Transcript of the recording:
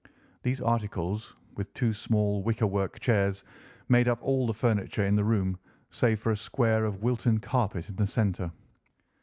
These articles, with two small wicker work chairs, made up all the furniture in the room save for a square of Wilton carpet in the centre.